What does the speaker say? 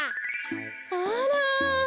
あら！